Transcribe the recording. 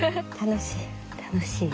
楽しい。